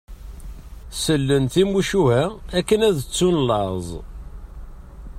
Sellen timucuha akken ad ttun laẓ.